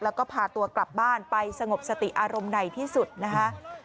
แล้วก็พาตัวกลับบ้านไปสงบสติอารมณ์ไหนที่สุดนะคะ